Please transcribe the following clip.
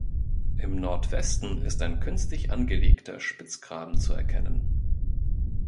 Im Nordwesten ist ein künstlich angelegter Spitzgraben zu erkennen.